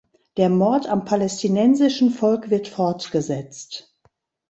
Der Mord am palästinensischen Volk wird fortgesetzt.